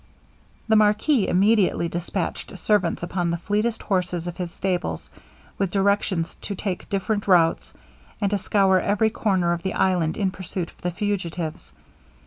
The marquis immediately dispatched servants upon the fleetest horses of his stables, with directions to take different routs, and to scour every corner of the island in pursuit of the fugitives.